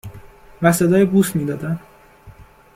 .و صدای بوس می دادن.